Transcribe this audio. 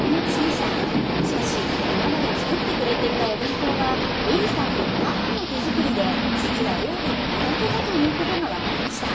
しかし今まで作ってくれていたお弁当はエリさんの母の手作りで実は料理が苦手だということが分かりました。